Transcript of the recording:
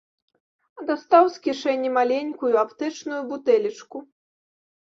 Дастаў з кішэні маленькую аптэчную бутэлечку.